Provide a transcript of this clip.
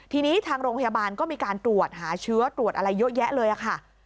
ทีนี้ทางโรงพยาบาลก็มีการตรวจหาเชื้อตรวจอะไรเยอะแยะเลยค่ะ